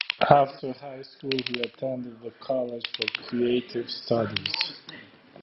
After high school, Ha attended the College for Creative Studies.